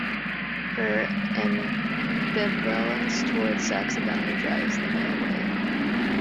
Her ambivalence towards sex eventually drives the male away.